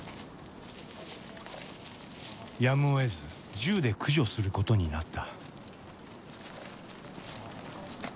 やむをえず銃で駆除することになった。